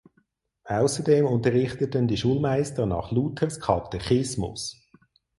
Außerdem unterrichteten die Schulmeister nach Luthers Katechismus.